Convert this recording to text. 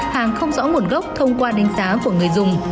hàng không rõ nguồn gốc thông qua đánh giá của người dùng